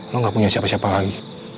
lo gak punya siapa siapa lagi